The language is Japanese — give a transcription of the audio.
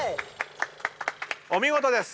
お見事です！